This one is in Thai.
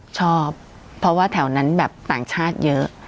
ชอบเพราะว่าแถวนั้นแบบต่างชาติเยอะ